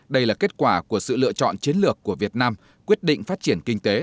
đây là kết quả của sự lựa chọn chiến lược của việt nam quyết định phát triển kinh tế